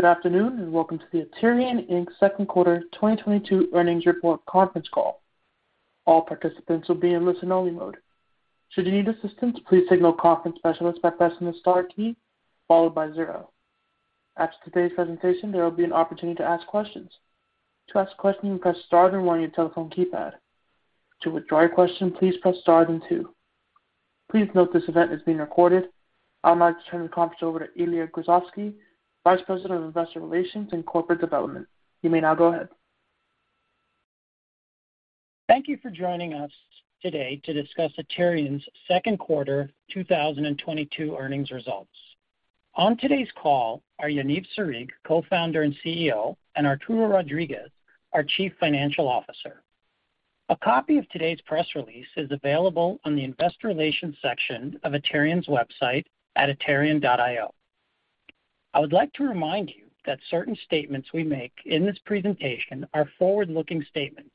Good afternoon, and welcome to the Aterian, Inc. second quarter 2022 earnings report conference call. All participants will be in listen-only mode. Should you need assistance, please signal a conference specialist by pressing the star key followed by zero. After today's presentation, there will be an opportunity to ask questions. To ask a question, press star then one on your telephone keypad. To withdraw your question, please press star then two. Please note this event is being recorded. I'd like to turn the conference over to Ilya Grozovsky, Vice President of Investor Relations and Corporate Development. You may now go ahead. Thank you for joining us today to discuss Aterian's second quarter 2022 earnings results. On today's call are Yaniv Sarig, Co-founder and CEO, and Arturo Rodriguez, our Chief Financial Officer. A copy of today's press release is available on the investor relations section of Aterian's website at aterian.io. I would like to remind you that certain statements we make in this presentation are forward-looking statements,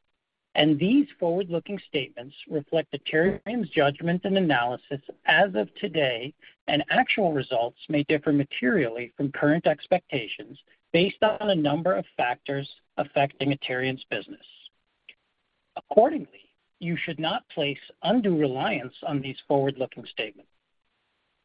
and these forward-looking statements reflect Aterian's judgment and analysis as of today, and actual results may differ materially from current expectations based on a number of factors affecting Aterian's business. Accordingly, you should not place undue reliance on these forward-looking statements.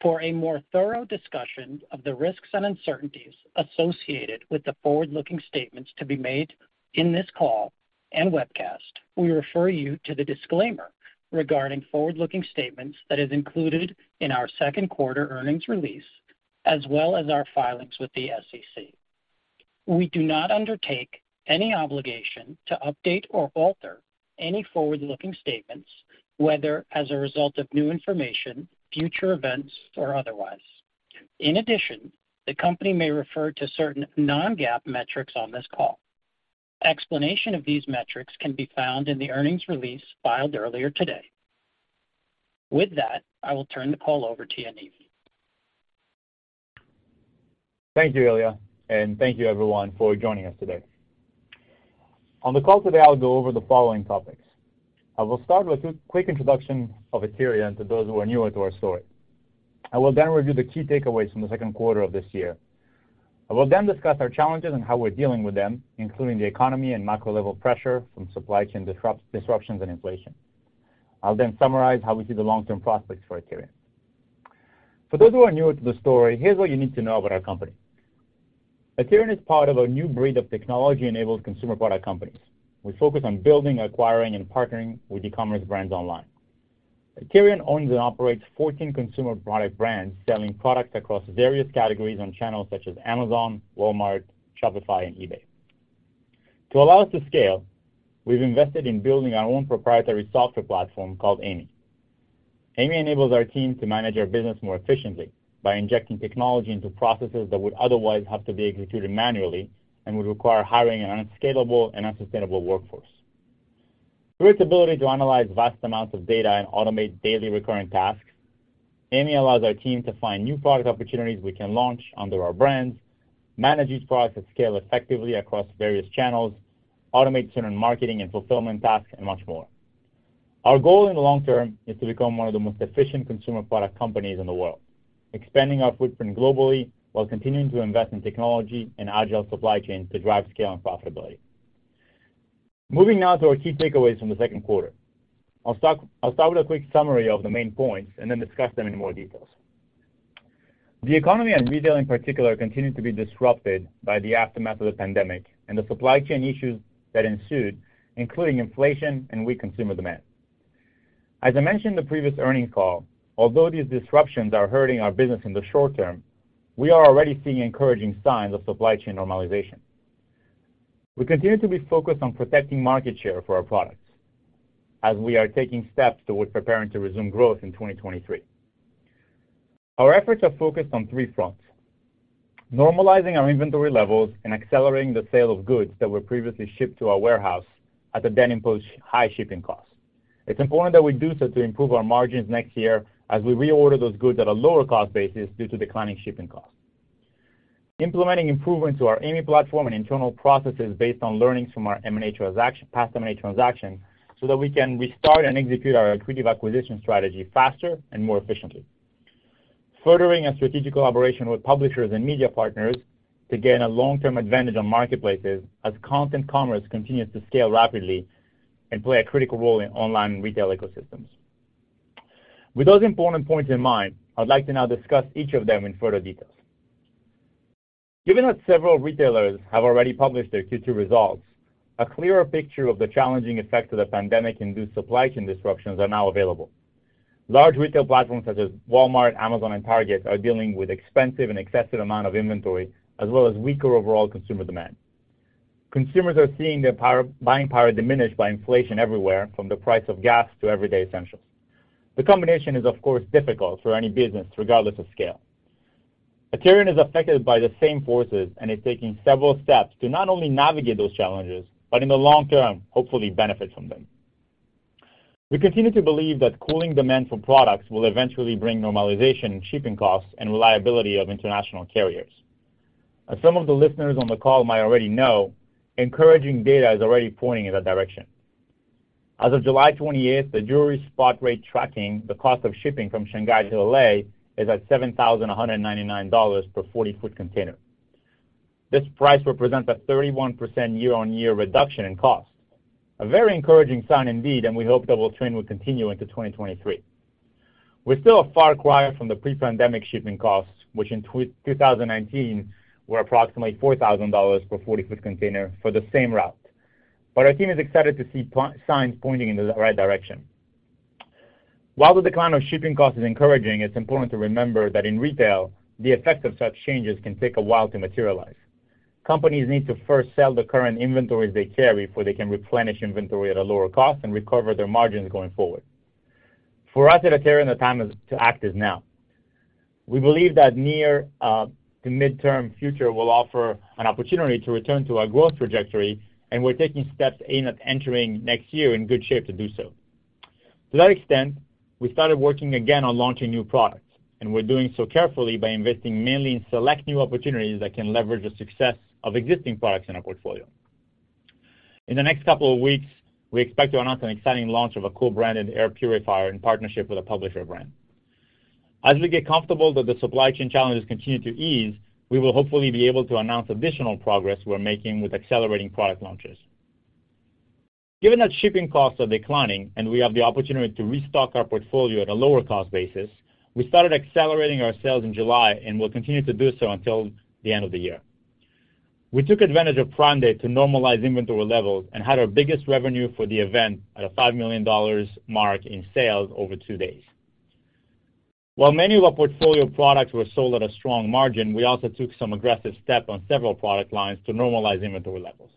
For a more thorough discussion of the risks and uncertainties associated with the forward-looking statements to be made in this call and webcast, we refer you to the disclaimer regarding forward-looking statements that is included in our second quarter earnings release, as well as our filings with the SEC. We do not undertake any obligation to update or alter any forward-looking statements, whether as a result of new information, future events, or otherwise. In addition, the company may refer to certain non-GAAP metrics on this call. Explanation of these metrics can be found in the earnings release filed earlier today. With that, I will turn the call over to Yaniv. Thank you, Ilya, and thank you everyone for joining us today. On the call today, I'll go over the following topics. I will start with a quick introduction of Aterian to those who are newer to our story. I will then review the key takeaways from the second quarter of this year. I will then discuss our challenges and how we're dealing with them, including the economy and macro level pressure from supply chain disruptions and inflation. I'll then summarize how we see the long-term prospects for Aterian. For those who are new to the story, here's what you need to know about our company. Aterian is part of a new breed of technology-enabled consumer product companies. We focus on building, acquiring, and partnering with e-commerce brands online. Aterian owns and operates 14 consumer product brands selling products across various categories on channels such as Amazon, Walmart, Shopify, and eBay. To allow us to scale, we've invested in building our own proprietary software platform called AIMEE. AIMEE enables our team to manage our business more efficiently by injecting technology into processes that would otherwise have to be executed manually and would require hiring an unscalable and unsustainable workforce. Through its ability to analyze vast amounts of data and automate daily recurring tasks, AIMEE allows our team to find new product opportunities we can launch under our brands, manage each product at scale effectively across various channels, automate certain marketing and fulfillment tasks, and much more. Our goal in the long term is to become one of the most efficient consumer product companies in the world, expanding our footprint globally while continuing to invest in technology and agile supply chain to drive scale and profitability. Moving now to our key takeaways from the second quarter. I'll start with a quick summary of the main points and then discuss them in more detail. The economy and retail in particular continue to be disrupted by the aftermath of the pandemic and the supply chain issues that ensued, including inflation and weak consumer demand. As I mentioned in the previous earnings call, although these disruptions are hurting our business in the short term, we are already seeing encouraging signs of supply chain normalization. We continue to be focused on protecting market share for our products as we are taking steps toward preparing to resume growth in 2023. Our efforts are focused on three fronts, normalizing our inventory levels and accelerating the sale of goods that were previously shipped to our warehouse at the then imposed high shipping costs. It's important that we do so to improve our margins next year as we reorder those goods at a lower cost basis due to declining shipping costs. Implementing improvements to our AIMEE platform and internal processes based on learnings from our past M&A transaction, so that we can restart and execute our accretive acquisition strategy faster and more efficiently. Furthering a strategic collaboration with publishers and media partners to gain a long-term advantage on marketplaces as content commerce continues to scale rapidly and play a critical role in online retail ecosystems. With those important points in mind, I'd like to now discuss each of them in further details. Given that several retailers have already published their Q2 results, a clearer picture of the challenging effects of the pandemic-induced supply chain disruptions are now available. Large retail platforms such as Walmart, Amazon, and Target are dealing with expensive and excessive amount of inventory, as well as weaker overall consumer demand. Consumers are seeing their buying power diminished by inflation everywhere from the price of gas to everyday essentials. The combination is of course difficult for any business regardless of scale. Aterian is affected by the same forces and is taking several steps to not only navigate those challenges, but in the long term, hopefully benefit from them. We continue to believe that cooling demand for products will eventually bring normalization in shipping costs and reliability of international carriers. As some of the listeners on the call might already know, encouraging data is already pointing in that direction. As of July 28th, the Drewry spot rate tracking the cost of shipping from Shanghai to L.A. is at $7,199 per 40-foot container. This price represents a 31% year-on-year reduction in cost. A very encouraging sign indeed, and we hope that trend will continue into 2023. We're still a far cry from the pre-pandemic shipping costs, which in 2019 were approximately $4,000 per 40-foot container for the same route. Our team is excited to see signs pointing in the right direction. While the decline of shipping costs is encouraging, it's important to remember that in retail, the effect of such changes can take a while to materialize. Companies need to first sell the current inventories they carry before they can replenish inventory at a lower cost and recover their margins going forward. For us at Aterian, the time to act is now. We believe that near- to midterm future will offer an opportunity to return to our growth trajectory, and we're taking steps aimed at entering next year in good shape to do so. To that extent, we started working again on launching new products, and we're doing so carefully by investing mainly in select new opportunities that can leverage the success of existing products in our portfolio. In the next couple of weeks, we expect to announce an exciting launch of a cool branded air purifier in partnership with a publisher brand. As we get comfortable that the supply chain challenges continue to ease, we will hopefully be able to announce additional progress we're making with accelerating product launches. Given that shipping costs are declining and we have the opportunity to restock our portfolio at a lower cost basis, we started accelerating our sales in July and will continue to do so until the end of the year. We took advantage of Prime Day to normalize inventory levels and had our biggest revenue for the event at a $5 million mark in sales over 2 days. While many of our portfolio products were sold at a strong margin, we also took some aggressive step on several product lines to normalize inventory levels.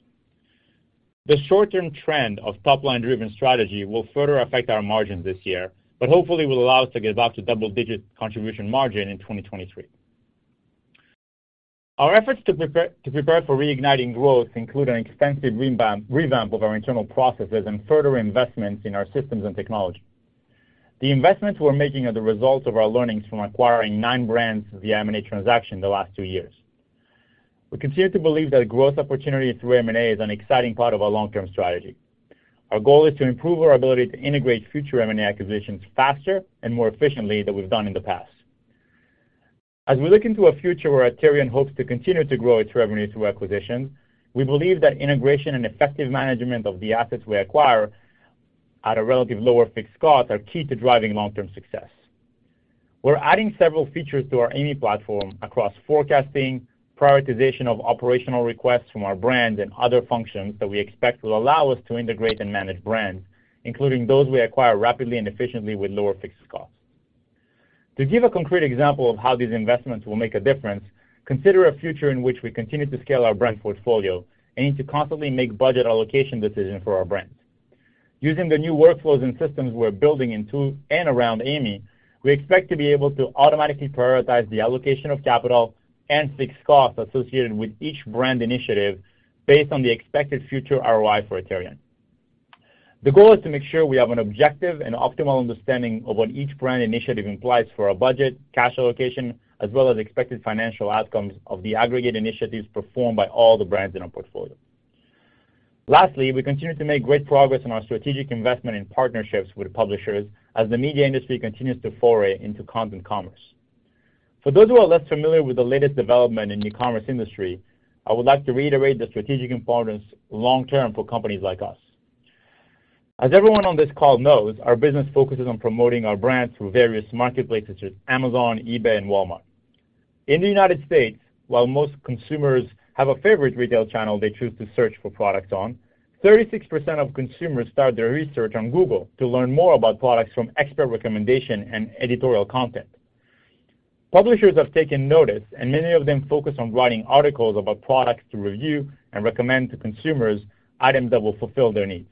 The short-term trend of top-line-driven strategy will further affect our margins this year, but hopefully will allow us to get back to double-digit contribution margin in 2023. Our efforts to prepare for reigniting growth include an extensive revamp of our internal processes and further investments in our systems and technology. The investments we're making are the results of our learnings from acquiring nine brands through the M&A transactions the last two years. We continue to believe that a growth opportunity through M&A is an exciting part of our long-term strategy. Our goal is to improve our ability to integrate future M&A acquisitions faster and more efficiently than we've done in the past. As we look into a future where Aterian hopes to continue to grow its revenue through acquisitions, we believe that integration and effective management of the assets we acquire at a relative lower fixed cost are key to driving long-term success. We're adding several features to our AIMEE platform across forecasting, prioritization of operational requests from our brands and other functions that we expect will allow us to integrate and manage brands, including those we acquire rapidly and efficiently with lower fixed costs. To give a concrete example of how these investments will make a difference, consider a future in which we continue to scale our brand portfolio and need to constantly make budget allocation decisions for our brands. Using the new workflows and systems we're building into and around AIMEE, we expect to be able to automatically prioritize the allocation of capital and fixed costs associated with each brand initiative based on the expected future ROI for Aterian. The goal is to make sure we have an objective and optimal understanding of what each brand initiative implies for our budget, cash allocation, as well as expected financial outcomes of the aggregate initiatives performed by all the brands in our portfolio. Lastly, we continue to make great progress in our strategic investment in partnerships with publishers as the media industry continues to foray into content commerce. For those who are less familiar with the latest development in e-commerce industry, I would like to reiterate the strategic importance long-term for companies like us. As everyone on this call knows, our business focuses on promoting our brands through various marketplaces such as Amazon, eBay, and Walmart. In the United States, while most consumers have a favorite retail channel they choose to search for products on, 36% of consumers start their research on Google to learn more about products from expert recommendation and editorial content. Publishers have taken notice, and many of them focus on writing articles about products to review and recommend to consumers items that will fulfill their needs.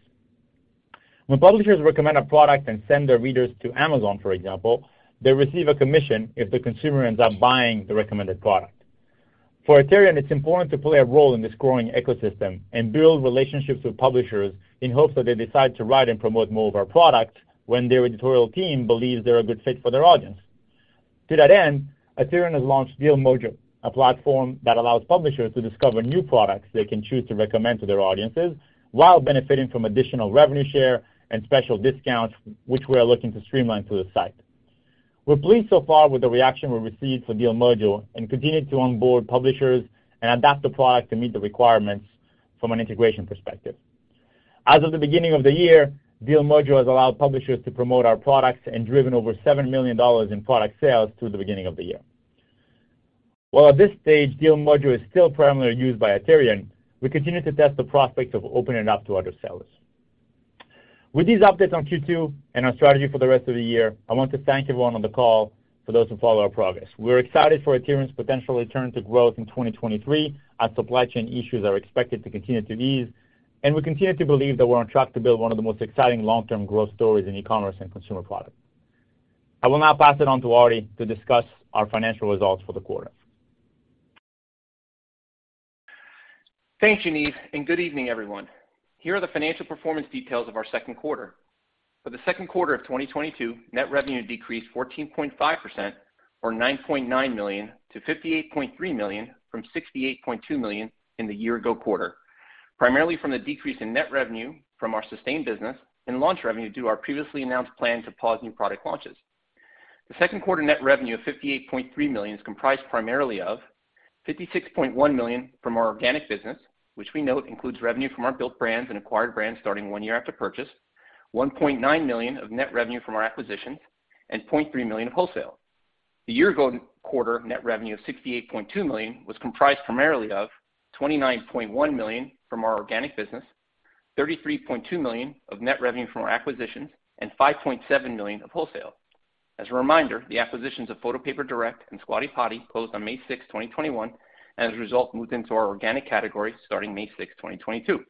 When publishers recommend a product and send their readers to Amazon, for example, they receive a commission if the consumer ends up buying the recommended product. For Aterian, it's important to play a role in this growing ecosystem and build relationships with publishers in hopes that they decide to write and promote more of our product when their editorial team believes they're a good fit for their audience. To that end, Aterian has launched DealMojo, a platform that allows publishers to discover new products they can choose to recommend to their audiences while benefiting from additional revenue share and special discounts, which we are looking to streamline through the site. We're pleased so far with the reaction we received for DealMojo and continue to onboard publishers and adapt the product to meet the requirements from an integration perspective. As of the beginning of the year, DealMojo has allowed publishers to promote our products and driven over $7 million in product sales through the beginning of the year. While at this stage, DealMojo is still primarily used by Aterian, we continue to test the prospects of opening it up to other sellers. With these updates on Q2 and our strategy for the rest of the year, I want to thank everyone on the call for those who follow our progress. We're excited for Aterian's potential return to growth in 2023 as supply chain issues are expected to continue to ease, and we continue to believe that we're on track to build one of the most exciting long-term growth stories in e-commerce and consumer product. I will now pass it on to Ari to discuss our financial results for the quarter. Thanks, Yaniv, and good evening, everyone. Here are the financial performance details of our second quarter. For the second quarter of 2022, net revenue decreased 14.5% or $9.9 million to $58.3 million from $68.2 million in the year ago quarter, primarily from the decrease in net revenue from our sustained business and launch revenue due to our previously announced plan to pause new product launches. The second quarter net revenue of $58.3 million is comprised primarily of $56.1 million from our organic business, which we note includes revenue from our built brands and acquired brands starting one year after purchase, $1.9 million of net revenue from our acquisitions, and $0.3 million of wholesale. The year-ago quarter net revenue of $68.2 million was comprised primarily of $29.1 million from our organic business, $33.2 million of net revenue from our acquisitions, and $5.7 million of wholesale. As a reminder, the acquisitions of Photo Paper Direct and Squatty Potty closed on May sixth, 2021, and as a result, moved into our organic category starting May sixth, 2022.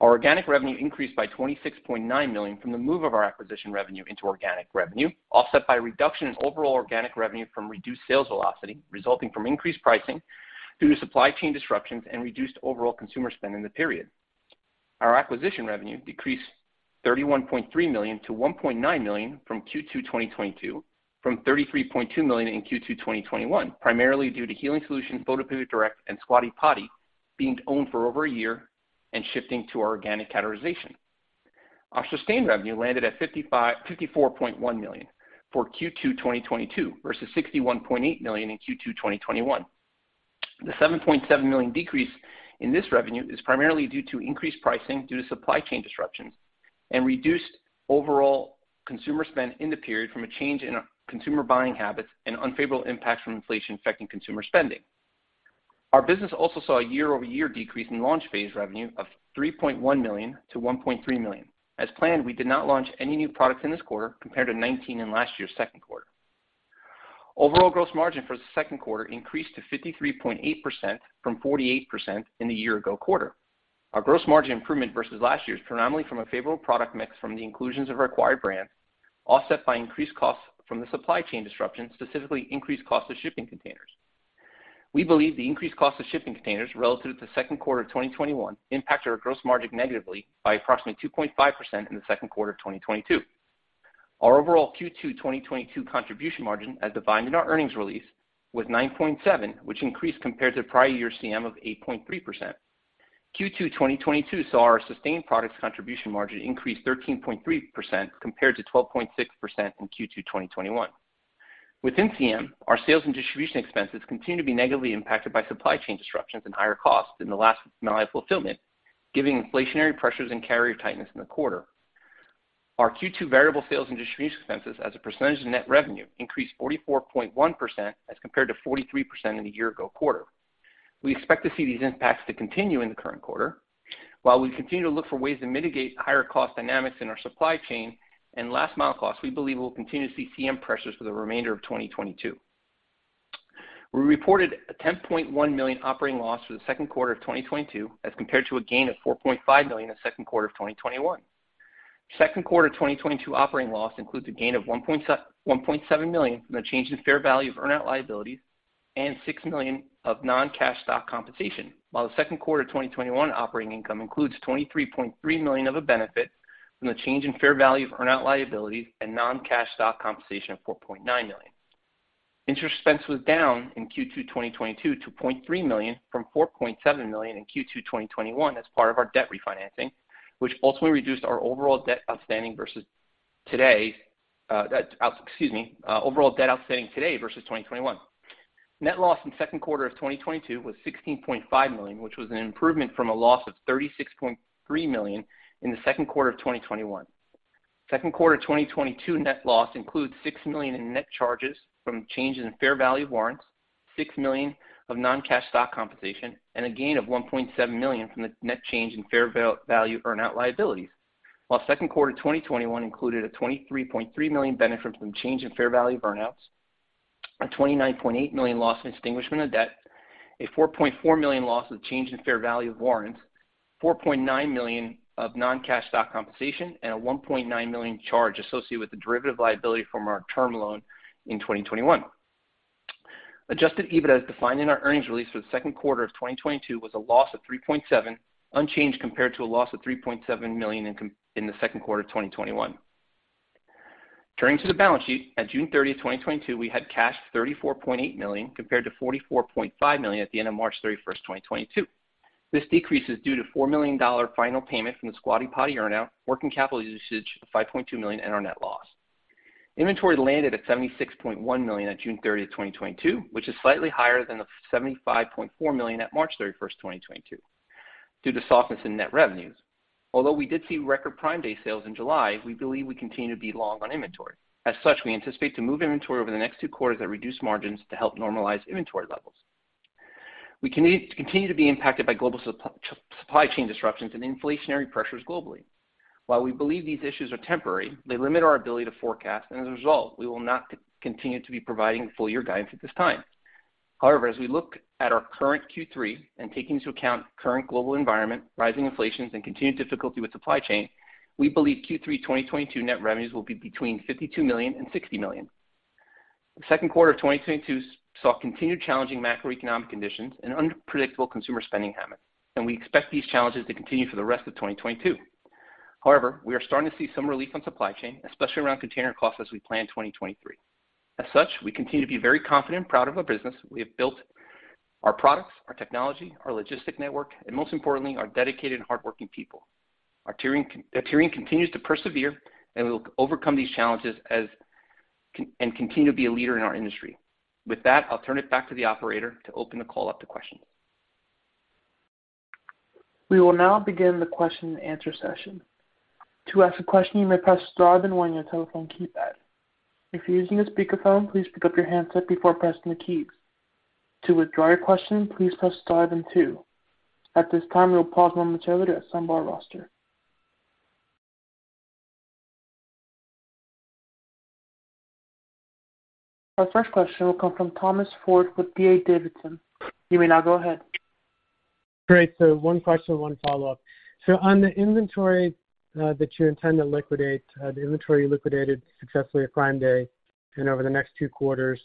Our organic revenue increased by $26.9 million from the move of our acquisition revenue into organic revenue, offset by a reduction in overall organic revenue from reduced sales velocity resulting from increased pricing due to supply chain disruptions and reduced overall consumer spend in the period. Our acquisition revenue decreased $31.3 million to $1.9 million from Q2 2022, from $33.2 million in Q2 2021, primarily due to Healing Solutions, Photo Paper Direct, and Squatty Potty being owned for over a year and shifting to our organic categorization. Our sustained revenue landed at $54.1 million for Q2 2022 versus $61.8 million in Q2 2021. The $7.7 million decrease in this revenue is primarily due to increased pricing due to supply chain disruptions and reduced overall consumer spend in the period from a change in consumer buying habits and unfavorable impacts from inflation affecting consumer spending. Our business also saw a year-over-year decrease in launch phase revenue of $3.1 million to $1.3 million. As planned, we did not launch any new products in this quarter compared to 19 in last year's second quarter. Overall gross margin for the second quarter increased to 53.8% from 48% in the year ago quarter. Our gross margin improvement versus last year's predominantly from a favorable product mix from the inclusions of our acquired brands, offset by increased costs from the supply chain disruptions, specifically increased cost of shipping containers. We believe the increased cost of shipping containers relative to second quarter of 2021 impacted our gross margin negatively by approximately 2.5% in the second quarter of 2022. Our overall Q2 2022 contribution margin, as defined in our earnings release, was 9.7%, which increased compared to the prior year's CM of 8.3%. Q2 2022 saw our sustained products contribution margin increase 13.3% compared to 12.6% in Q2 2021. Within CM, our sales and distribution expenses continue to be negatively impacted by supply chain disruptions and higher costs in the last mile fulfillment, giving inflationary pressures and carrier tightness in the quarter. Our Q2 variable sales and distribution expenses as a percentage of net revenue increased 44.1% as compared to 43% in the year ago quarter. We expect to see these impacts to continue in the current quarter. While we continue to look for ways to mitigate higher cost dynamics in our supply chain and last mile costs, we believe we'll continue to see CM pressures for the remainder of 2022. We reported a $10.1 million operating loss for the second quarter of 2022 as compared to a gain of $4.5 million in the second quarter of 2021. Second quarter 2022 operating loss includes a gain of $1.7 million from the change in fair value of earn out liabilities and $6 million of non-cash stock compensation. While the second quarter 2021 operating income includes $23.3 million of a benefit from the change in fair value of earn out liabilities and non-cash stock compensation of $4.9 million. Interest expense was down in Q2 2022 to $0.3 million from $4.7 million in Q2 2021 as part of our debt refinancing, which ultimately reduced our overall debt outstanding today versus 2021. Net loss in second quarter of 2022 was $16.5 million, which was an improvement from a loss of $36.3 million in the second quarter of 2021. Second quarter 2022 net loss includes $6 million in net charges from changes in fair value of warrants, $6 million of non-cash stock compensation, and a gain of $1.7 million from the net change in fair value of earn-out liabilities. Second quarter 2021 included a $23.3 million benefit from change in fair value of earn-outs, a $29.8 million loss in extinguishment of debt, a $4.4 million loss of change in fair value of warrants, $4.9 million of non-cash stock compensation, and a $1.9 million charge associated with the derivative liability from our term loan in 2021. Adjusted EBITDA, as defined in our earnings release for the second quarter of 2022, was a loss of $3.7 million, unchanged compared to a loss of $3.7 million in the second quarter of 2021. Turning to the balance sheet, at June 30, 2022, we had cash of $34.8 million compared to $44.5 million at the end of March 31, 2022. This decrease is due to a $4 million final payment from the Squatty Potty earn-out, working capital usage of $5.2 million, and our net loss. Inventory landed at $76.1 million on June 30, 2022, which is slightly higher than the $75.4 million at March 31, 2022, due to softness in net revenues. Although we did see record Prime Day sales in July, we believe we continue to be long on inventory. As such, we anticipate to move inventory over the next two quarters at reduced margins to help normalize inventory levels. We continue to be impacted by global supply chain disruptions and inflationary pressures globally. While we believe these issues are temporary, they limit our ability to forecast, and as a result, we will not continue to be providing full year guidance at this time. However, as we look at our current Q3 and take into account current global environment, rising inflation, and continued difficulty with supply chain, we believe Q3 2022 net revenues will be between $52 million and $60 million. The second quarter of 2022 saw continued challenging macroeconomic conditions and unpredictable consumer spending habits, and we expect these challenges to continue for the rest of 2022. However, we are starting to see some relief on supply chain, especially around container costs as we plan 2023. As such, we continue to be very confident and proud of our business. We have built our products, our technology, our logistics network, and most importantly, our dedicated, hardworking people. Aterian continues to persevere, and we'll overcome these challenges and continue to be a leader in our industry. With that, I'll turn it back to the operator to open the call up to questions. We will now begin the question and answer session. To ask a question, you may press star then one on your telephone keypad. If you're using a speakerphone, please pick up your handset before pressing the keys. To withdraw your question, please press star then two. At this time, we will pause momentarily to assemble our roster. Our first question will come from Tom Forte with D.A. Davidson. You may now go ahead. Great. One question, one follow-up. On the inventory that you intend to liquidate, the inventory you liquidated successfully at Prime Day and over the next two quarters,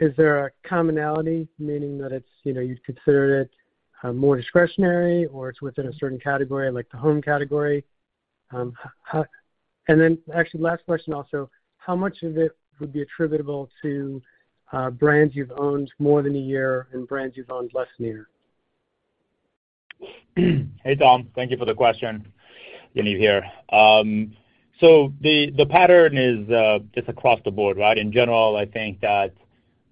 is there a commonality, meaning that it's, you know, you've considered it more discretionary, or it's within a certain category, like the home category? Actually last question also, how much of it would be attributable to brands you've owned more than a year and brands you've owned less than a year? Hey, Tom. Thank you for the question. Yaniv here. So the pattern is just across the board, right? In general, I think that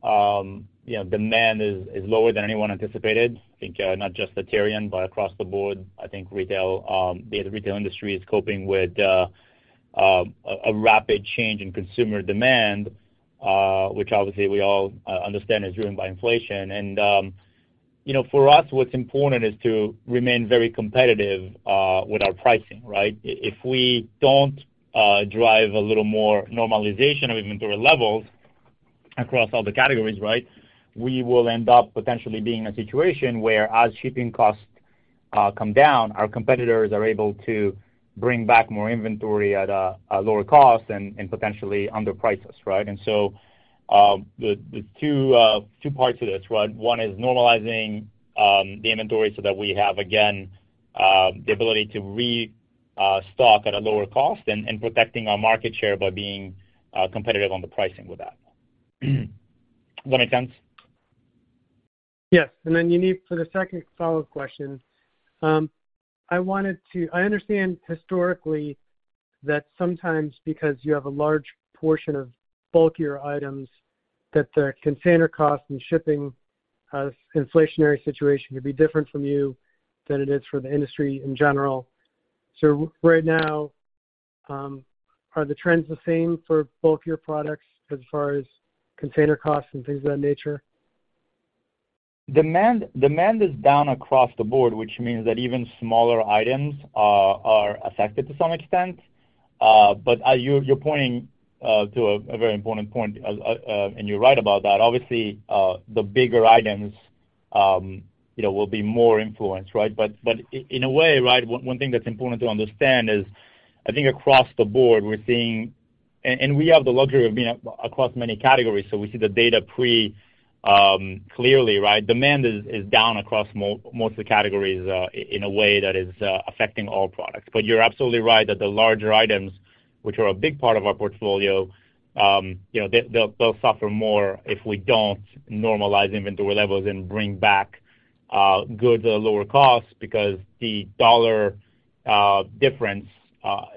you know, demand is lower than anyone anticipated. I think not just Aterian, but across the board. I think the retail industry is coping with a rapid change in consumer demand, which obviously we all understand is driven by inflation. You know, for us, what's important is to remain very competitive with our pricing, right? If we don't drive a little more normalization of inventory levels across all the categories, right, we will end up potentially being in a situation where as shipping costs come down, our competitors are able to bring back more inventory at a lower cost and potentially underprice us, right? The two parts to this, right? One is normalizing the inventory so that we have again the ability to stock at a lower cost and protecting our market share by being competitive on the pricing with that. Does that make sense? Yes. Then, Yaniv, for the second follow-up question, I understand historically that sometimes because you have a large portion of bulkier items, that the container cost and shipping, inflationary situation could be different from you than it is for the industry in general. Right now, are the trends the same for bulkier products as far as container costs and things of that nature? Demand is down across the board, which means that even smaller items are affected to some extent. You're pointing to a very important point. You're right about that. Obviously, the bigger items, you know, will be more influenced, right? In a way, right, one thing that's important to understand is, I think across the board, we're seeing. We have the luxury of being across many categories, so we see the data pretty clearly, right? Demand is down across most of the categories, in a way that is affecting all products. You're absolutely right that the larger items, which are a big part of our portfolio, you know, they'll suffer more if we don't normalize inventory levels and bring back goods at lower costs because the dollar difference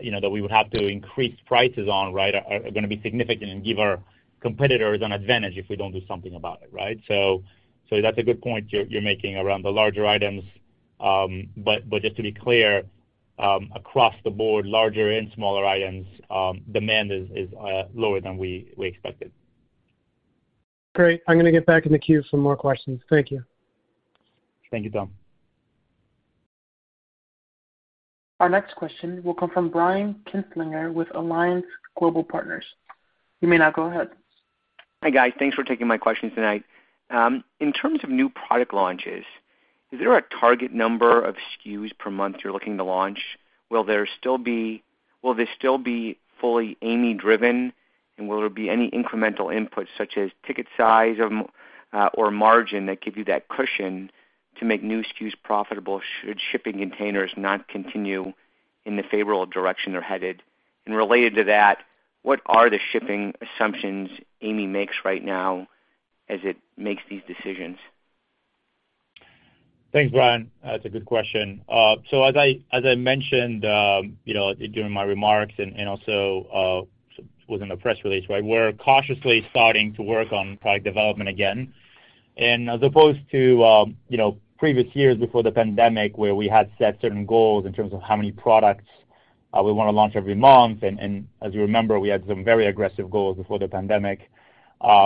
you know that we would have to increase prices on, right, are gonna be significant and give our competitors an advantage if we don't do something about it, right? That's a good point you're making around the larger items. Just to be clear, across the board, larger and smaller items, demand is lower than we expected. Great. I'm gonna get back in the queue for more questions. Thank you. Thank you, Tom. Our next question will come from Brian Kinstlinger with Alliance Global Partners. You may now go ahead. Hi, guys. Thanks for taking my questions tonight. In terms of new product launches, is there a target number of SKUs per month you're looking to launch? Will they still be fully AIMEE driven? Will there be any incremental inputs, such as ticket size or margin that give you that cushion to make new SKUs profitable should shipping containers not continue in the favorable direction they're headed? Related to that, what are the shipping assumptions AIMEE makes right now as it makes these decisions? Thanks, Brian. That's a good question. As I mentioned, you know, during my remarks and also was in the press release, right, we're cautiously starting to work on product development again. As opposed to, you know, previous years before the pandemic, where we had set certain goals in terms of how many products we wanna launch every month, and as you remember, we had some very aggressive goals before the pandemic.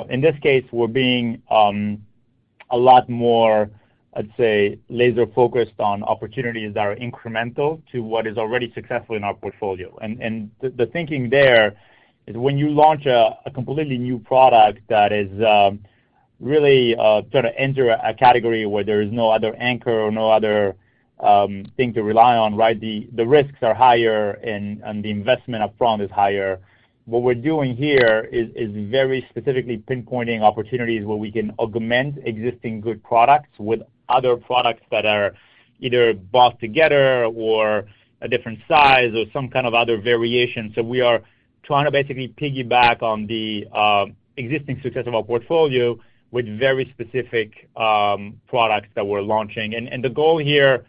In this case, we're being a lot more, I'd say, laser focused on opportunities that are incremental to what is already successful in our portfolio. The thinking there is when you launch a completely new product that is really trying to enter a category where there is no other anchor or no other thing to rely on, right? The risks are higher and the investment up front is higher. What we're doing here is very specifically pinpointing opportunities where we can augment existing good products with other products that are either bought together or a different size or some kind of other variation. We are trying to basically piggyback on the existing success of our portfolio with very specific products that we're launching. The goal here,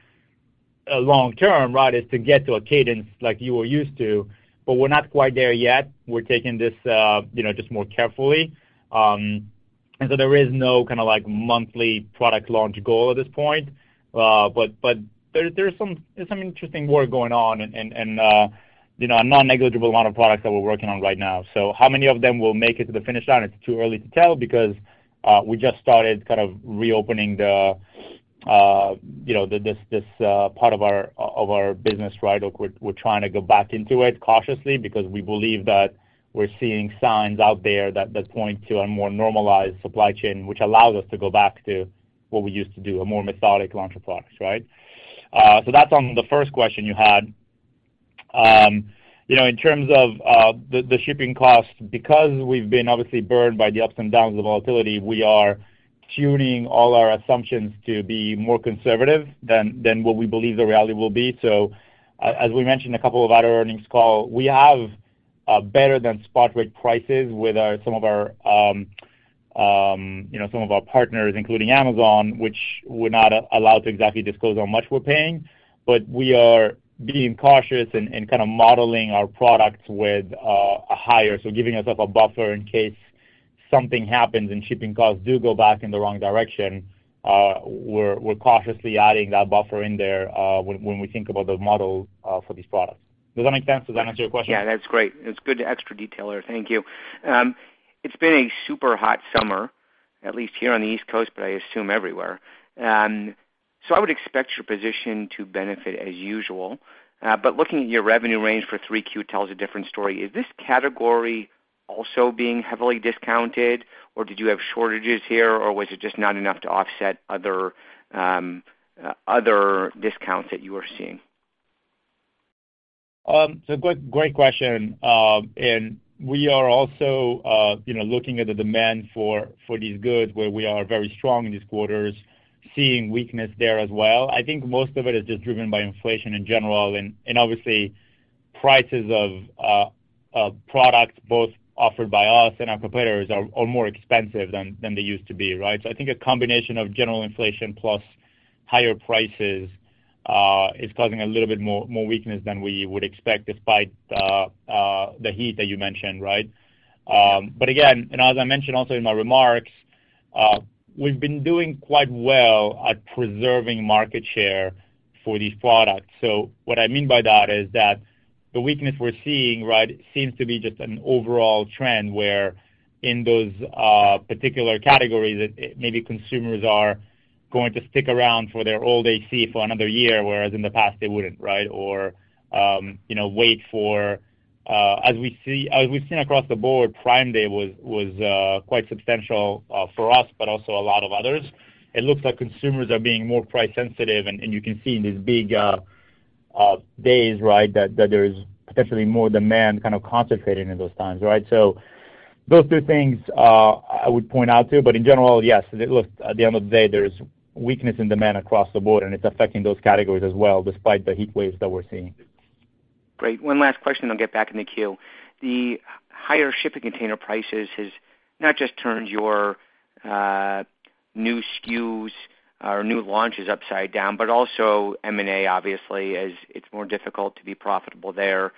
long term, right, is to get to a cadence like you were used to, but we're not quite there yet. We're taking this, you know, just more carefully. There is no kind of like monthly product launch goal at this point. But there's some interesting work going on and, you know, a non-negligible amount of products that we're working on right now. How many of them will make it to the finish line? It's too early to tell because we just started kind of reopening the, you know, this part of our business, right? We're trying to go back into it cautiously because we believe that we're seeing signs out there that point to a more normalized supply chain, which allows us to go back to what we used to do, a more methodic launch of products, right? That's on the first question you had. You know, in terms of the shipping costs, because we've been obviously burned by the ups and downs of the volatility, we are tuning all our assumptions to be more conservative than what we believe the reality will be. As we mentioned, a couple of other earnings calls, we have better than spot rate prices with some of our, you know, some of our partners, including Amazon, which we're not allowed to exactly disclose how much we're paying. We are being cautious and kind of modeling our products with a higher. Giving ourselves a buffer in case something happens and shipping costs do go back in the wrong direction, we're cautiously adding that buffer in there when we think about the model for these products. Does that make sense? Does that answer your question? Yeah. That's great. It's good extra detail there. Thank you. It's been a super hot summer, at least here on the East Coast, but I assume everywhere. I would expect your position to benefit as usual. Looking at your revenue range for 3Q tells a different story. Is this category also being heavily discounted, or did you have shortages here, or was it just not enough to offset other discounts that you are seeing? Great question. We are also, you know, looking at the demand for these goods where we are very strong in these quarters, seeing weakness there as well. I think most of it is just driven by inflation in general and obviously prices of products both offered by us and our competitors are more expensive than they used to be, right? I think a combination of general inflation plus higher prices is causing a little bit more weakness than we would expect despite the heat that you mentioned, right? Again, and as I mentioned also in my remarks, we've been doing quite well at preserving market share for these products. What I mean by that is that the weakness we're seeing, right, seems to be just an overall trend where in those particular categories that maybe consumers are going to stick around for their old AC for another year, whereas in the past they wouldn't, right? Or you know wait for as we've seen across the board, Prime Day was quite substantial for us, but also a lot of others. It looks like consumers are being more price sensitive and you can see in these big days, right, that there's potentially more demand kind of concentrated in those times, right? Those two things I would point out to you. In general, yes, it looks at the end of the day, there's weakness in demand across the board, and it's affecting those categories as well, despite the heat waves that we're seeing. Great. One last question, then I'll get back in the queue. The higher shipping container prices has not just turned your new SKUs or new launches upside down, but also M&A obviously as it's more difficult to be profitable there.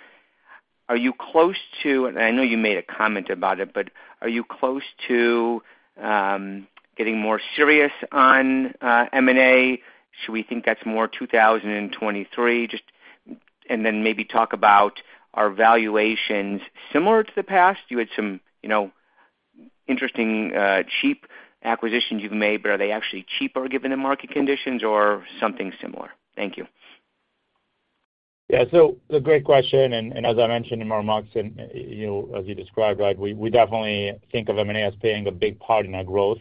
Are you close to getting more serious on M&A? I know you made a comment about it, but are you close to getting more serious on M&A? Should we think that's more 2023? Just then maybe talk about, are valuations similar to the past? You had some, you know, interesting cheap acquisitions you've made, but are they actually cheaper given the market conditions or something similar? Thank you. Yeah. So a great question, as I mentioned in my remarks and, you know, as you described, right? We definitely think of M&A as playing a big part in our growth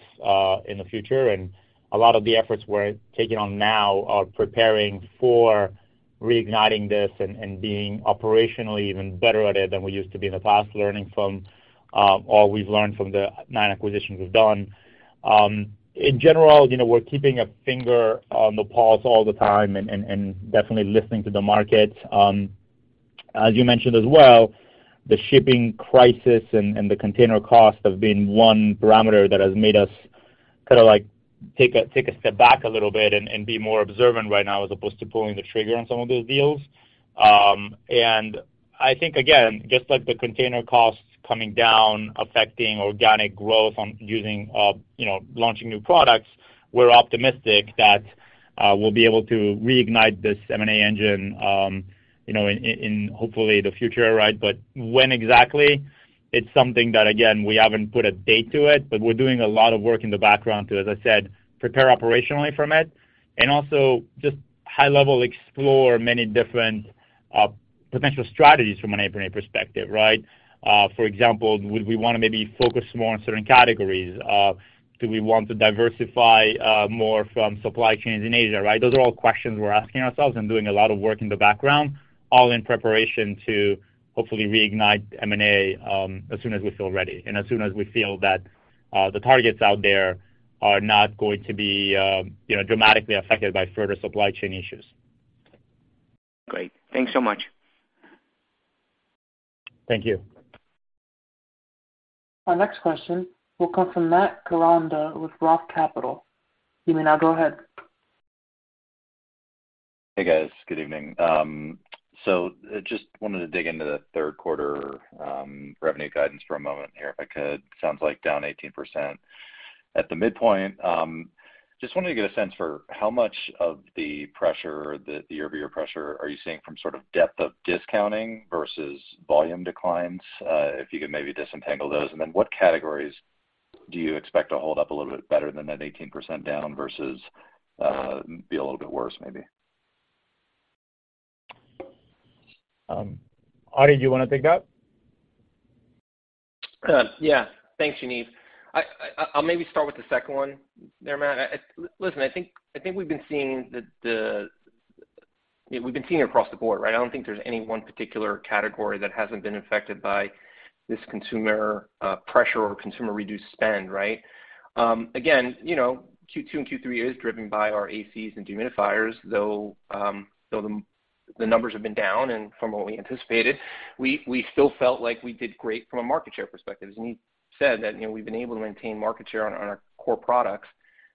in the future. A lot of the efforts we're taking on now are preparing for reigniting this and being operationally even better at it than we used to be in the past, learning from all we've learned from the nine acquisitions we've done. In general, you know, we're keeping a finger on the pulse all the time and definitely listening to the market. As you mentioned as well, the shipping crisis and the container cost have been one parameter that has made us kind of like take a step back a little bit and be more observant right now, as opposed to pulling the trigger on some of those deals. I think again, just like the container costs coming down affecting organic growth and, you know, launching new products, we're optimistic that we'll be able to reignite this M&A engine, you know, in hopefully the future, right? When exactly? It's something that, again, we haven't put a date to it, but we're doing a lot of work in the background to, as I said, prepare operationally for it and also just high level explore many different potential strategies from an M&A perspective, right? For example, would we wanna maybe focus more on certain categories? Do we want to diversify more from supply chains in Asia, right? Those are all questions we're asking ourselves and doing a lot of work in the background, all in preparation to hopefully reignite M&A, as soon as we feel ready and as soon as we feel that the targets out there are not going to be, you know, dramatically affected by further supply chain issues. Great. Thanks so much. Thank you. Our next question will come from Matt Koranda with Roth Capital. You may now go ahead. Hey, guys. Good evening. So just wanted to dig into the third quarter revenue guidance for a moment here, if I could. Sounds like down 18% at the midpoint. Just wanted to get a sense for how much of the pressure, the year-over-year pressure are you seeing from sort of depth of discounting versus volume declines, if you could maybe disentangle those. Then what categories do you expect to hold up a little bit better than that 18% down versus be a little bit worse maybe? Ari, do you wanna take that? Yeah. Thanks, Yaniv. I'll maybe start with the second one there, Matt. Listen, I think we've been seeing it across the board, right? I don't think there's any one particular category that hasn't been affected by this consumer pressure or consumer reduced spend, right? Again, you know, Q2 and Q3 is driven by our ACs and dehumidifiers, though the numbers have been down and from what we anticipated. We still felt like we did great from a market share perspective. As Yaniv said, that, you know, we've been able to maintain market share on our core products,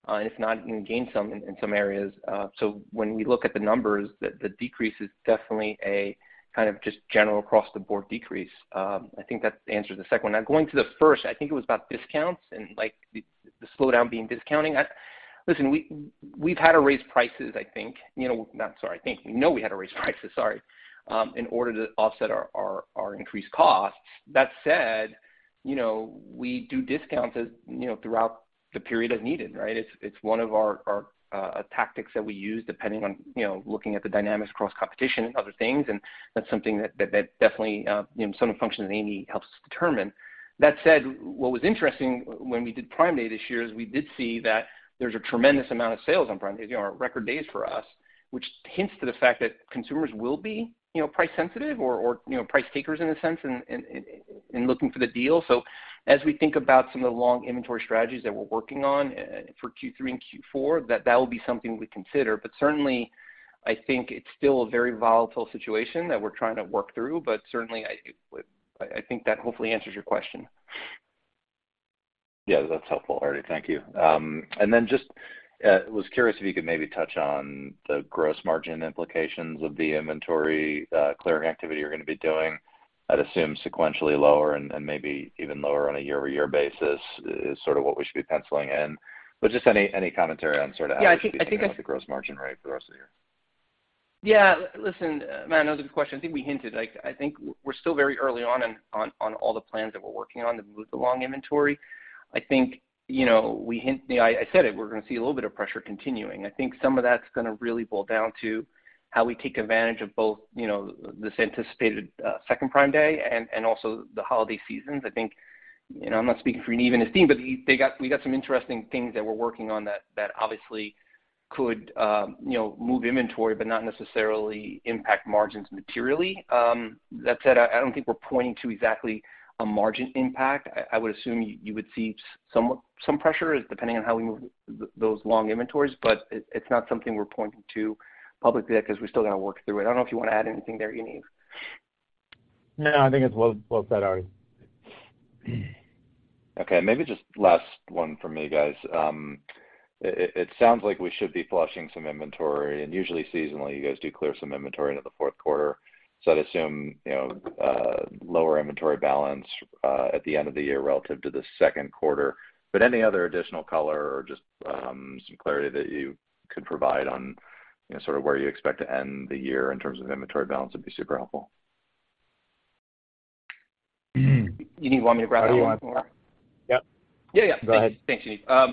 if not gain some in some areas. So when we look at the numbers, the decrease is definitely a kind of just general across the board decrease. I think that answers the second one. Now, going to the first, I think it was about discounts and, like, the slowdown being discounting. Listen, we've had to raise prices, I think. You know, we know we had to raise prices, sorry, in order to offset our increased costs. That said, you know, we do discounts as, you know, throughout the period as needed, right? It's one of our tactics that we use depending on, you know, looking at the dynamics across competition and other things. That's something that definitely, you know, some function that Amy helps determine. That said, what was interesting when we did Prime Day this year is we did see that there's a tremendous amount of sales on Prime Day, you know, our record days for us, which hints to the fact that consumers will be, you know, price sensitive or you know, price takers in a sense in looking for the deal. As we think about some of the longer inventory strategies that we're working on for Q3 and Q4, that will be something we consider. Certainly I think it's still a very volatile situation that we're trying to work through, but certainly I think that hopefully answers your question. Yeah, that's helpful, Ari. Thank you. And then just was curious if you could maybe touch on the gross margin implications of the inventory clearing activity you're gonna be doing. I'd assume sequentially lower and maybe even lower on a year-over-year basis is sort of what we should be penciling in. But just any commentary on sort of how we should be thinking about the gross margin, right, for the rest of the year. Yeah. Listen, Matt, another good question. I think we hinted. Like, I think we're still very early on all the plans that we're working on to move the long inventory. I think, you know, we hint. You know, I said it, we're gonna see a little bit of pressure continuing. I think some of that's gonna really boil down to how we take advantage of both, you know, this anticipated second Prime Day and also the holiday seasons. I think, you know, I'm not speaking for Yaniv and his team, but we got some interesting things that we're working on that obviously could, you know, move inventory but not necessarily impact margins materially. That said, I don't think we're pointing to exactly a margin impact. I would assume you would see some pressure depending on how we move those long inventories, but it's not something we're pointing to publicly yet 'cause we still gotta work through it. I don't know if you wanna add anything there, Yaniv. No, I think it's well said, Ari. Okay, maybe just last one for me, guys. It sounds like we should be flushing some inventory, and usually seasonally you guys do clear some inventory into the fourth quarter. I'd assume, you know, lower inventory balance at the end of the year relative to the second quarter. Any other additional color or just some clarity that you could provide on, you know, sort of where you expect to end the year in terms of inventory balance would be super helpful. Yaniv, you want me to grab that one? Ari, do you want it? Yep. Yeah, yeah. Go ahead. Thanks, Yaniv.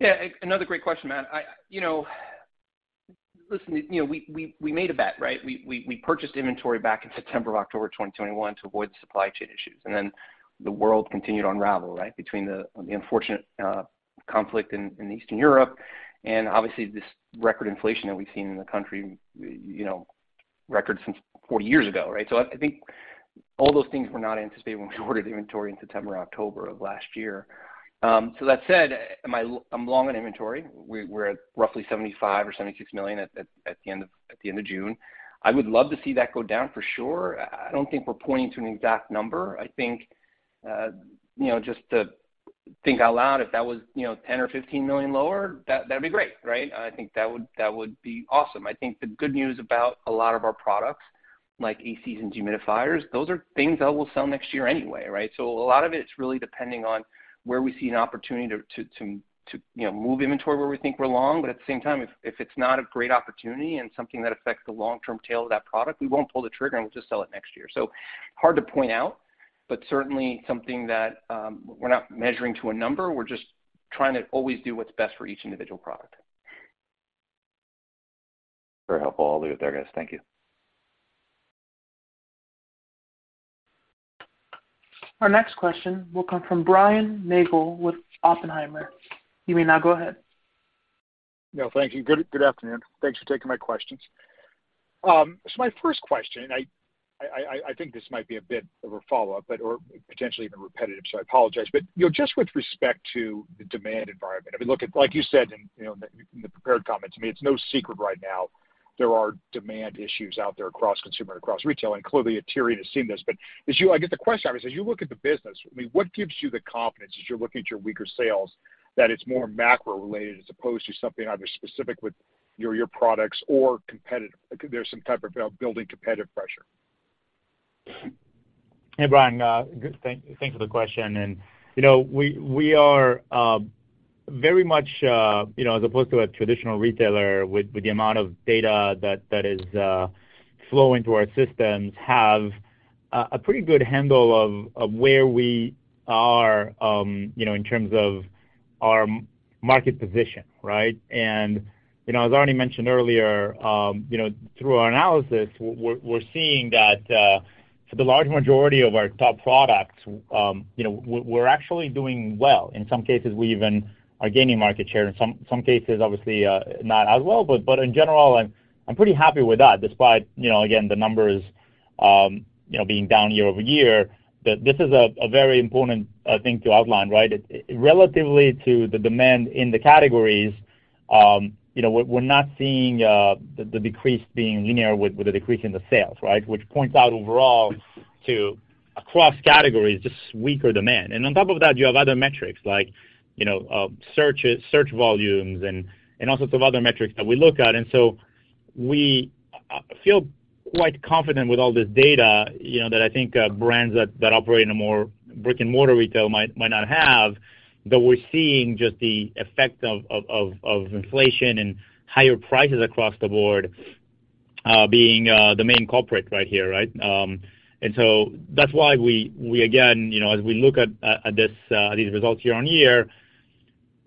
Yeah, another great question, Matt. You know, listen, you know, we made a bet, right? We purchased inventory back in September, October 2021 to avoid supply chain issues, and then the world continued to unravel, right? Between the unfortunate conflict in Eastern Europe and obviously this record inflation that we've seen in the country, you know, record since 40 years ago, right? I think all those things were not anticipated when we ordered inventory in September, October of last year. That said, am I—I'm long on inventory. We're at roughly $75 million or $76 million at the end of June. I would love to see that go down for sure. I don't think we're pointing to an exact number. I think, you know, just to think out loud, if that was, you know, $10-$15 million lower, that'd be great, right? I think that would be awesome. I think the good news about a lot of our products, like ACs and dehumidifiers, those are things that we'll sell next year anyway, right? A lot of it's really depending on where we see an opportunity to you know, move inventory where we think we're long, but at the same time, if it's not a great opportunity and something that affects the long-term tail of that product, we won't pull the trigger and we'll just sell it next year. Hard to point out, but certainly something that we're not measuring to a number. We're just Trying to always do what's best for each individual product. Very helpful. I'll leave it there, guys. Thank you. Our next question will come from Brian Nagel with Oppenheimer. You may now go ahead. No, thank you. Good afternoon. Thanks for taking my questions. My first question, I think this might be a bit of a follow-up, but or potentially even repetitive, so I apologize, but, you know, just with respect to the demand environment. I mean, look at like you said in, you know, the prepared comments, I mean, it's no secret right now there are demand issues out there across consumer and across retail, and clearly, Aterian has seen this. As you, I guess the question, obviously, as you look at the business, I mean, what gives you the confidence as you're looking at your weaker sales that it's more macro-related as opposed to something either specific with your products or competitive, like there's some type of building competitive pressure? Hey, Brian. Good. Thank you for the question. You know, we are very much, you know, as opposed to a traditional retailer with the amount of data that is flowing through our systems have a pretty good handle of where we are, you know, in terms of our market position, right? You know, as already mentioned earlier, you know, through our analysis, we're seeing that for the large majority of our top products, you know, we're actually doing well. In some cases, we even are gaining market share. In some cases, obviously, not as well. In general, I'm pretty happy with that despite, you know, again, the numbers, you know, being down year-over-year, that this is a very important thing to outline, right? Relative to the demand in the categories, you know, we're not seeing the decrease being linear with the decrease in the sales, right? Which points out overall to across categories, just weaker demand. On top of that, you have other metrics like, you know, searches, search volumes and all sorts of other metrics that we look at. We feel quite confident with all this data, you know, that I think brands that operate in a more brick-and-mortar retail might not have that we're seeing just the effect of inflation and higher prices across the board being the main culprit right here, right? That's why we again, you know, as we look at these results year-over-year,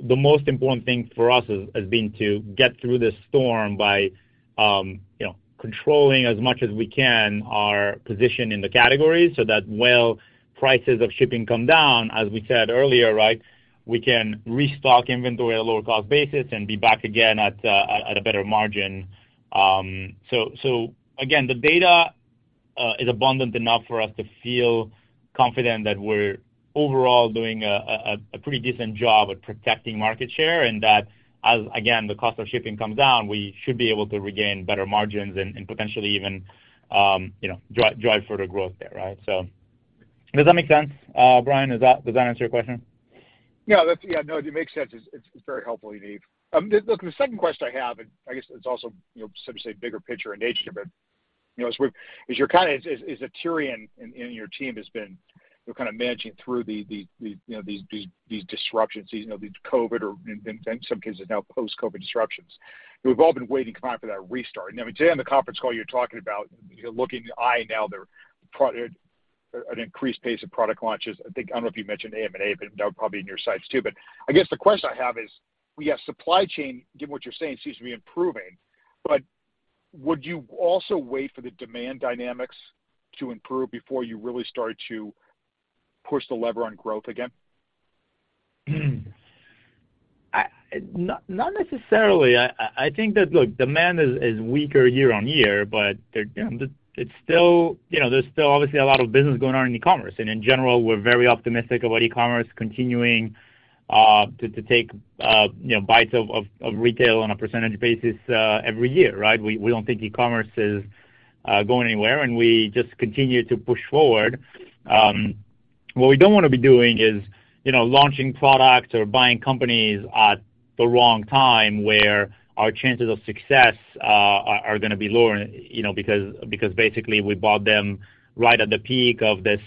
the most important thing for us has been to get through this storm by, you know, controlling as much as we can our position in the categories so that while prices of shipping come down, as we said earlier, right? We can restock inventory at a lower cost basis and be back again at a better margin. Again, the data is abundant enough for us to feel confident that we're overall doing a pretty decent job at protecting market share, and that as, again, the cost of shipping comes down, we should be able to regain better margins and potentially even, you know, drive further growth there, right? Does that make sense? Brian, does that answer your question? No, that's. Yeah, no, it makes sense. It's very helpful, Yaniv. Look, the second question I have, and I guess it's also, you know, so to say, bigger picture in nature, but, you know, as you're kinda as Aterian and your team has been, you know, kind of managing through the, you know, these disruptions this season of the COVID or in some cases now post-COVID disruptions. We've all been waiting, kind of, for that restart. Now, today on the conference call, you're talking about, you know, looking ahead now to an increased pace of product launches. I think, I don't know if you mentioned M&A, but that would probably be in your sights, too. I guess the question I have is, we have supply chain, given what you're saying, seems to be improving, but would you also wait for the demand dynamics to improve before you really start to push the lever on growth again? Not necessarily. I think that, look, demand is weaker year-over-year, but it's still, you know, there's still obviously a lot of business going on in e-commerce. In general, we're very optimistic about e-commerce continuing to take, you know, bites of retail on a percentage basis every year, right? We don't think e-commerce is going anywhere, and we just continue to push forward. What we don't wanna be doing is, you know, launching products or buying companies at the wrong time where our chances of success are gonna be lower, you know, because basically we bought them right at the peak of this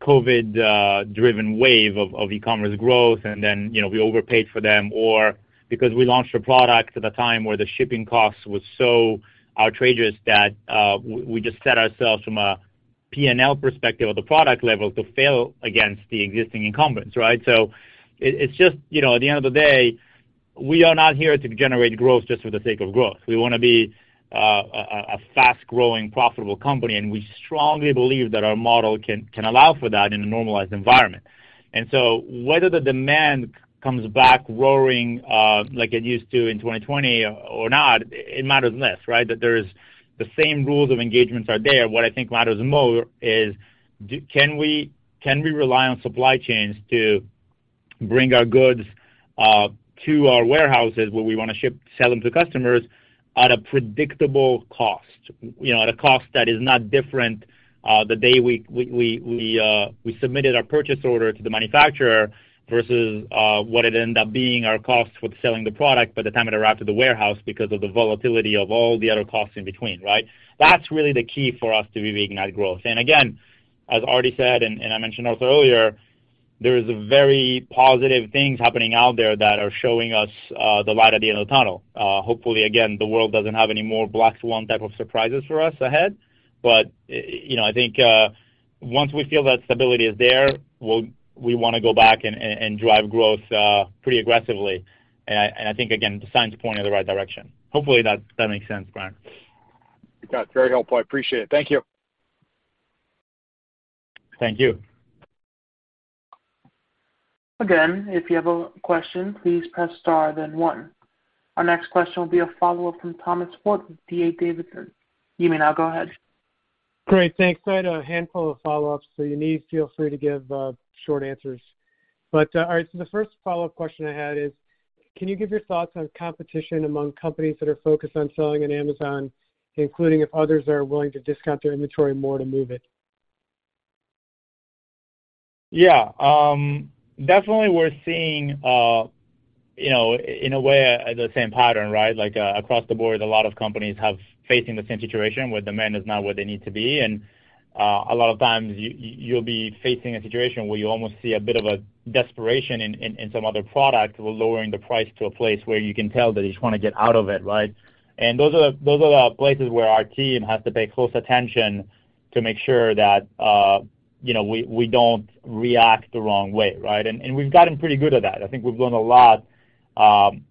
COVID driven wave of e-commerce growth, and then, you know, we overpaid for them or because we launched a product at a time where the shipping costs was so outrageous that we just set ourselves from a P&L perspective at the product level to fail against the existing incumbents, right? It's just, you know, at the end of the day, we are not here to generate growth just for the sake of growth. We wanna be a fast-growing, profitable company, and we strongly believe that our model can allow for that in a normalized environment. Whether the demand comes back roaring, like it used to in 2020 or not, it matters less, right? That the same rules of engagement are there. What I think matters the most is can we rely on supply chains to bring our goods to our warehouses, where we wanna ship, sell them to customers at a predictable cost, you know, at a cost that is not different the day we submitted our purchase order to the manufacturer versus what it ended up being our cost when selling the product by the time it arrived to the warehouse because of the volatility of all the other costs in between, right? That's really the key for us to be igniting growth. Again, as already said, and I mentioned also earlier, there is very positive things happening out there that are showing us the light at the end of the tunnel. Hopefully, again, the world doesn't have any more Black Swan type of surprises for us ahead. You know, I think once we feel that stability is there, we wanna go back and drive growth pretty aggressively. I think, again, the signs are pointing in the right direction. Hopefully that makes sense, Brian. It does. Very helpful, I appreciate it. Thank you. Thank you. Again, if you have a question, please press star then one. Our next question will be a follow-up from Tom Forte with D.A. Davidson. You may now go ahead. Great. Thanks. I had a handful of follow-ups, so feel free to give short answers. All right, the first follow-up question I had is, can you give your thoughts on competition among companies that are focused on selling on Amazon, including if others are willing to discount their inventory more to move it? Yeah. Definitely we're seeing, you know, in a way, the same pattern, right? Like, across the board, a lot of companies are facing the same situation where demand is not where they need to be, and, a lot of times you'll be facing a situation where you almost see a bit of a desperation in some of their product with lowering the price to a place where you can tell that they just wanna get out of it, right? And those are the places where our team has to pay close attention to make sure that, you know, we don't react the wrong way, right? And we've gotten pretty good at that. I think we've learned a lot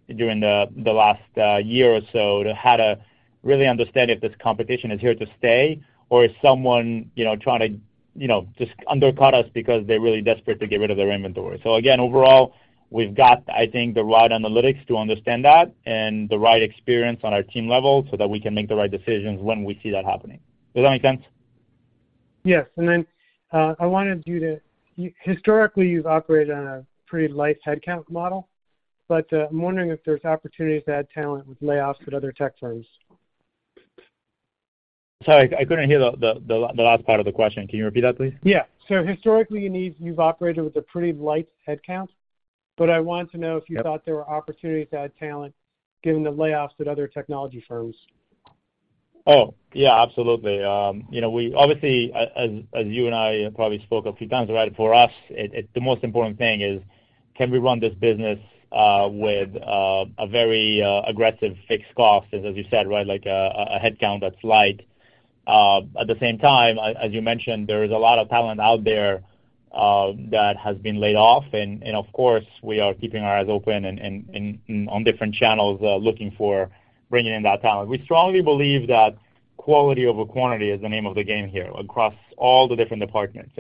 during the last year or so to how to really understand if this competition is here to stay or is someone you know trying to you know just undercut us because they're really desperate to get rid of their inventory. Again, overall, we've got I think the right analytics to understand that and the right experience on our team level so that we can make the right decisions when we see that happening. Does that make sense? Yes. Historically, you've operated on a pretty light headcount model, but I'm wondering if there's opportunities to add talent with layoffs at other tech firms. Sorry, I couldn't hear the last part of the question. Can you repeat that, please? Historically, you've operated with a pretty light headcount, but I wanted to know- Yep. If you thought there were opportunities to add talent given the layoffs at other technology firms? Oh, yeah, absolutely. You know, we obviously, as you and I probably spoke a few times, right, for us, the most important thing is, can we run this business with a very aggressive fixed cost, as you said, right? Like a headcount that's light. At the same time, as you mentioned, there is a lot of talent out there that has been laid off. Of course, we are keeping our eyes open and on different channels looking for bringing in that talent. We strongly believe that quality over quantity is the name of the game here across all the different departments.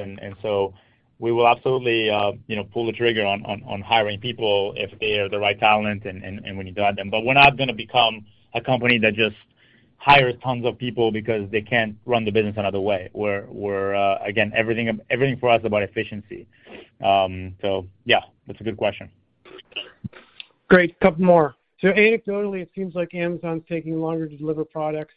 We will absolutely, you know, pull the trigger on hiring people if they are the right talent and when you got them. We're not gonna become a company that just hires tons of people because they can't run the business another way. Again, everything for us is about efficiency. Yeah, that's a good question. Great. Couple more. Anecdotally, it seems like Amazon's taking longer to deliver products.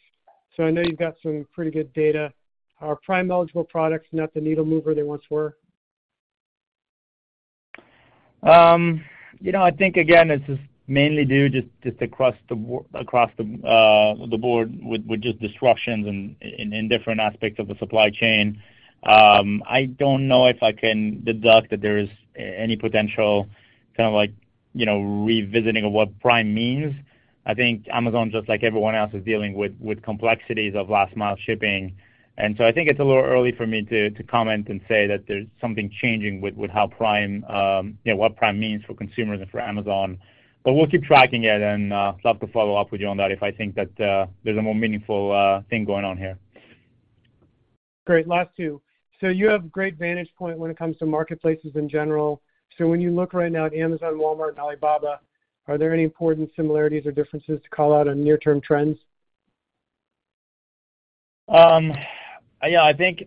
I know you've got some pretty good data. Are Prime-eligible products not the needle mover they once were? You know, I think again, it's just mainly due just across the board with just disruptions in different aspects of the supply chain. I don't know if I can deduce that there is any potential kind of like, you know, revisiting of what Prime means. I think Amazon, just like everyone else, is dealing with complexities of last mile shipping. I think it's a little early for me to comment and say that there's something changing with how Prime, you know, what Prime means for consumers and for Amazon. We'll keep tracking it and love to follow up with you on that if I think that there's a more meaningful thing going on here. Great. Last two. You have great vantage point when it comes to marketplaces in general. When you look right now at Amazon, Walmart, and Alibaba, are there any important similarities or differences to call out on near-term trends? Yeah, I think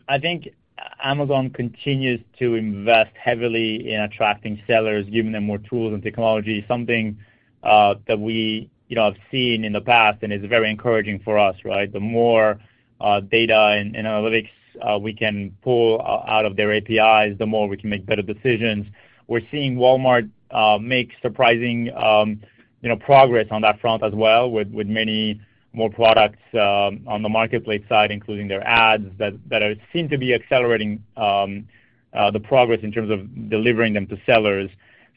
Amazon continues to invest heavily in attracting sellers, giving them more tools and technology, something that we, you know, have seen in the past and is very encouraging for us, right? The more data and analytics we can pull out of their APIs, the more we can make better decisions. We're seeing Walmart make surprising, you know, progress on that front as well with many more products on the marketplace side, including their ads that are seen to be accelerating the progress in terms of delivering them to sellers.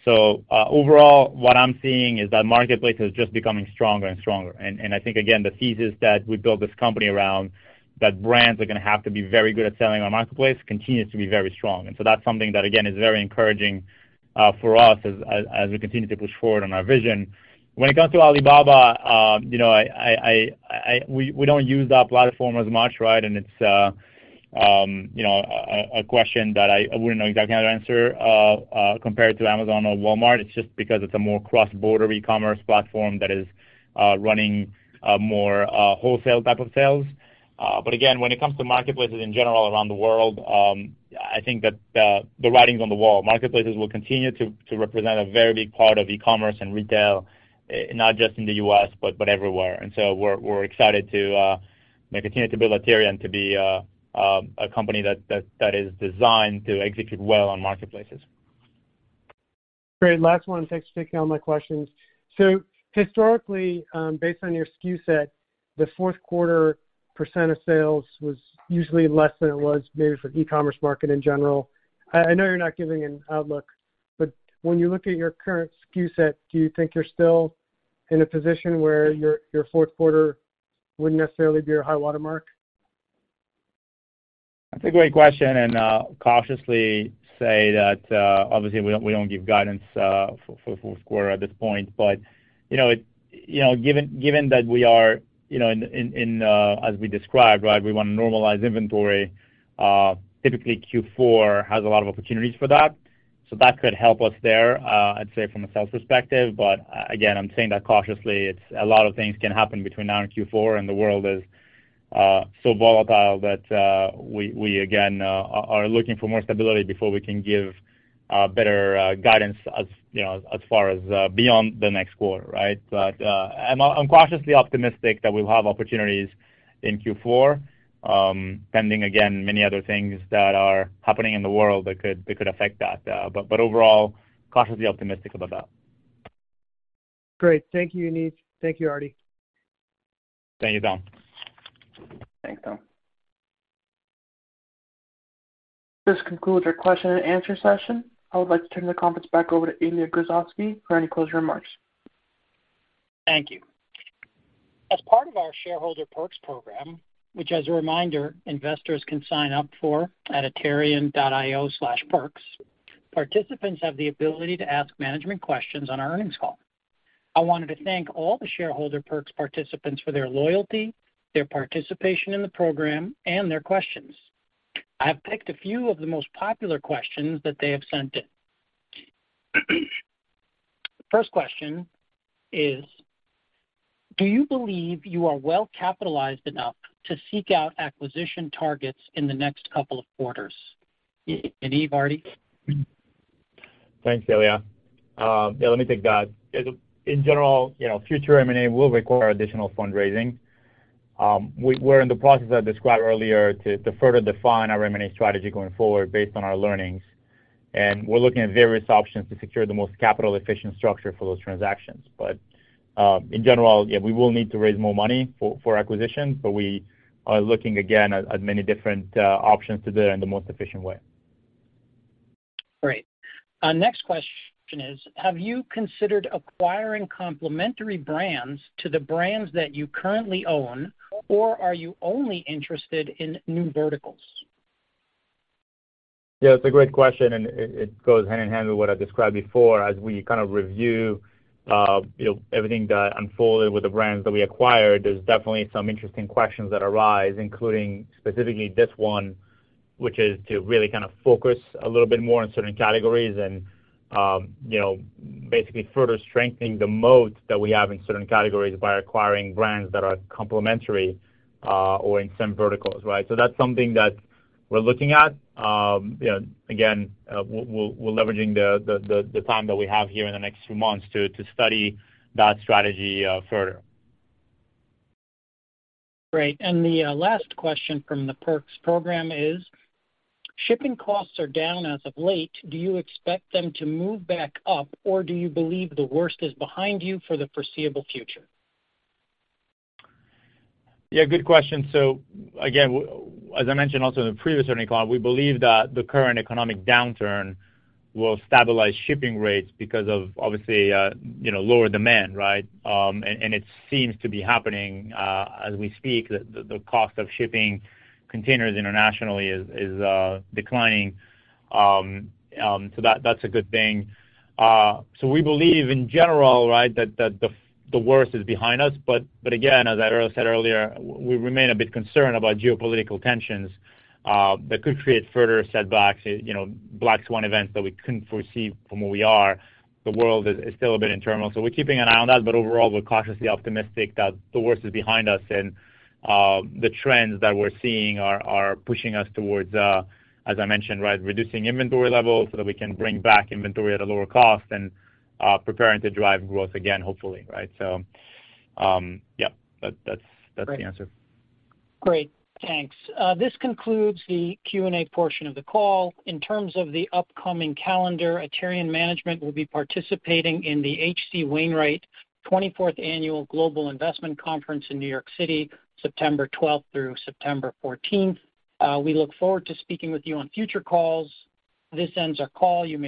Overall, what I'm seeing is that marketplace is just becoming stronger and stronger. I think again, the thesis that we built this company around, that brands are gonna have to be very good at selling on our marketplace, continues to be very strong. That's something that again, is very encouraging, for us as we continue to push forward on our vision. When it comes to Alibaba, you know, we don't use that platform as much, right? It's, you know, a question that I wouldn't know exactly how to answer, compared to Amazon or Walmart. It's just because it's a more cross-border e-commerce platform that is running more wholesale type of sales. Again, when it comes to marketplaces in general around the world, I think that the writing's on the wall. Marketplaces will continue to represent a very big part of e-commerce and retail, not just in the US, but everywhere. We're excited to, you know, continue to build Aterian to be a company that is designed to execute well on marketplaces. Great. Last one. Thanks for taking all my questions. Historically, based on your SKU set, the fourth quarter percent of sales was usually less than it was maybe for the e-commerce market in general. I know you're not giving an outlook, but when you look at your current SKU set, do you think you're still in a position where your fourth quarter wouldn't necessarily be your high-water mark? That's a great question, and cautiously say that, obviously we don't give guidance for fourth quarter at this point. You know, it. You know, given that we are, you know, in, as we described, right, we wanna normalize inventory, typically Q4 has a lot of opportunities for that. That could help us there, I'd say from a sales perspective. Again, I'm saying that cautiously. It's. A lot of things can happen between now and Q4, and the world is so volatile that, we again are looking for more stability before we can give better guidance as, you know, as far as, beyond the next quarter, right? I'm cautiously optimistic that we'll have opportunities in Q4, pending, again, many other things that are happening in the world that could affect that. Overall, cautiously optimistic about that. Great. Thank you, Yaniv. Thank you, Arti. Thank you, Tom. Thanks, Tom. This concludes our question and answer session. I would like to turn the conference back over to Ilya Grozovsky for any closing remarks. Thank you. As part of our Shareholder Perks Program, which as a reminder, investors can sign up for at aterian.io/perks, participants have the ability to ask management questions on our earnings call. I wanted to thank all the Shareholder Perks participants for their loyalty, their participation in the program, and their questions. I have picked a few of the most popular questions that they have sent in. First question is: Do you believe you are well-capitalized enough to seek out acquisition targets in the next couple of quarters? Yaniv, Arti? Thanks, Ilya. Yeah, let me take that. In general, you know, future M&A will require additional fundraising. We're in the process I described earlier to further define our M&A strategy going forward based on our learnings, and we're looking at various options to secure the most capital-efficient structure for those transactions. In general, yeah, we will need to raise more money for acquisitions, but we are looking again at many different options to do it in the most efficient way. Great. Next question is: Have you considered acquiring complementary brands to the brands that you currently own, or are you only interested in new verticals? Yeah, it's a great question, and it goes hand in hand with what I described before. As we kind of review, you know, everything that unfolded with the brands that we acquired, there's definitely some interesting questions that arise, including specifically this one, which is to really kind of focus a little bit more on certain categories and, you know, basically further strengthening the moat that we have in certain categories by acquiring brands that are complementary, or in some verticals, right? That's something that we're looking at. You know, again, we're leveraging the time that we have here in the next few months to study that strategy further. Great. The last question from the perks program is: Shipping costs are down as of late. Do you expect them to move back up, or do you believe the worst is behind you for the foreseeable future? Yeah, good question. Again, as I mentioned also in the previous earnings call, we believe that the current economic downturn will stabilize shipping rates because of obviously, you know, lower demand, right? It seems to be happening as we speak. The cost of shipping containers internationally is declining. That's a good thing. We believe in general, right, that the worst is behind us. Again, as I said earlier, we remain a bit concerned about geopolitical tensions that could create further setbacks, you know, black swan events that we couldn't foresee from where we are. The world is still a bit in turmoil. We're keeping an eye on that, but overall, we're cautiously optimistic that the worst is behind us and, the trends that we're seeing are pushing us towards, as I mentioned, right, reducing inventory levels so that we can bring back inventory at a lower cost and, preparing to drive growth again, hopefully, right? Yeah, that's the answer. Great. Thanks. This concludes the Q&A portion of the call. In terms of the upcoming calendar, Aterian management will be participating in the H.C. Wainwright & Co. 24th Annual Global Investment Conference in New York City, September twelfth through September fourteenth. We look forward to speaking with you on future calls. This ends our call. You may now disconnect.